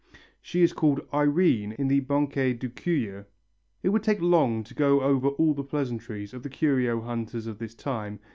She is called Irene in the Banquet des Curieux. It would take long to go over all the pleasantries of the curio hunters of this time.